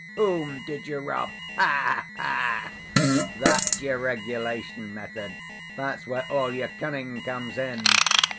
Whom did you rob?' Ha ha! That's your regulation method, that's where all your cunning comes in.